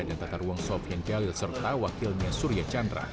dan tata ruang sofian jalil serta wakilnya surya chandra